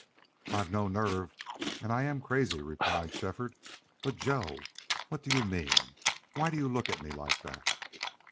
"I've no nerve and I am crazy," replied Shefford. "But, Joe what do you mean? Why do you look at me like that?"